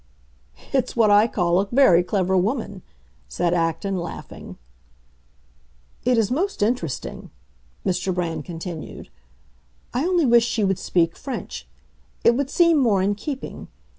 "It's what I call a very clever woman," said Acton, laughing. "It is most interesting," Mr. Brand continued. "I only wish she would speak French; it would seem more in keeping.